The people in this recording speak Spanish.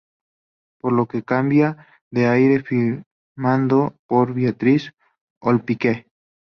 Por lo que cambia de aire firmando por Biarritz Olympique.